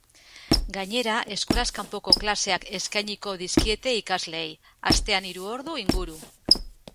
Gainera, eskolaz kanpoko klaseak eskainiko dizkiete ikasleei, astean hiru ordu inguru.